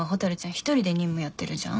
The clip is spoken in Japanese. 一人で任務やってるじゃん。